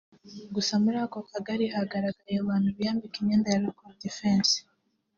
“Gusa muri ako Kagali hagaragaye abantu biyambika imyenda ya lokodifensi